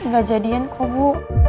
ga jadian kok bu